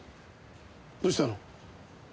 どうしたの？